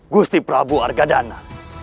gusti prabu argadana